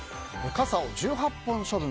傘を１８本処分。